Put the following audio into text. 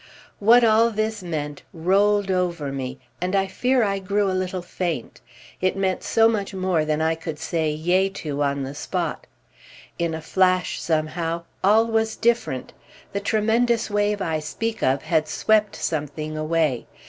What all this meant rolled over me, and I fear I grew a little faint—it meant so much more than I could say "yea" to on the spot. In a flash, somehow, all was different; the tremendous wave I speak of had swept something away.